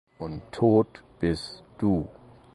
Und tot bist Du!